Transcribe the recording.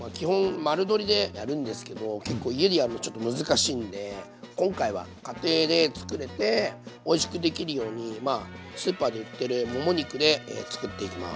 丸鶏でやるんですけど結構家でやるとちょっと難しいんで今回は家庭で作れておいしくできるようにまあスーパーで売ってるもも肉で作っていきます。